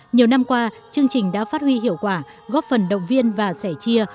nhiều năm qua chương trình đã phát huy hiệu quả góp phần động viên và sẻ chia